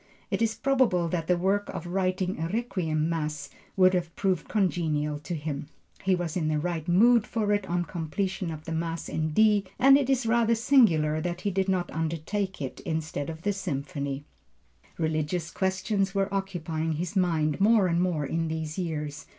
It is probable that the work of writing a Requiem Mass would have proved congenial to him. He was in the right mood for it on completion of the Mass in D, and it is rather singular that he did not undertake it instead of the Symphony. Religious questions were occupying his mind more and more in these years.